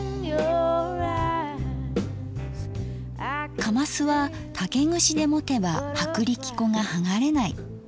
かますは竹串で持てば薄力粉が剥がれない。